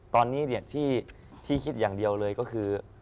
ตอนนี้ที่คิดอย่างเดียวเลยก็คือ